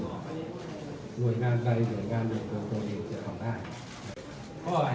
หลวยงานใดหลวยงานหนึ่งตัวเองจะทำได้